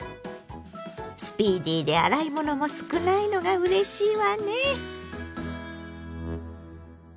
スピーディーで洗い物も少ないのがうれしいわね。